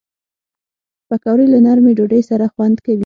پکورې له نرمې ډوډۍ سره خوند کوي